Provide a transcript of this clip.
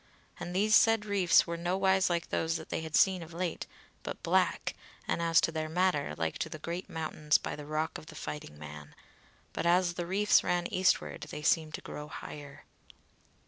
And these said reefs were nowise like those that they had seen of late, but black and, as to their matter, like to the great mountains by the rock of the Fighting Man: but as the reefs ran eastward they seemed to grow higher.